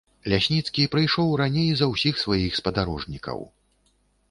Лясніцкі прыйшоў раней за ўсіх сваіх спадарожнікаў.